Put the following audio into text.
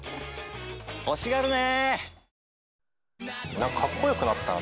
欲しがるね！